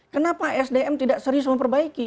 kenapa sdm tidak serius memperbaiki